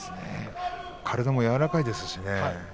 体も柔らかいですしね。